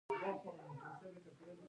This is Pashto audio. ډيپلومات د اړیکو جوړولو مهارت لري.